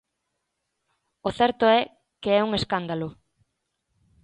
O certo é que é un escándalo.